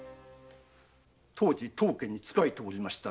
当時当家に仕えておりました「みつ」という娘